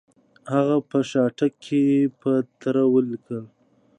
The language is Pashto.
هغه په شاتګ کې په تړه ولګېد.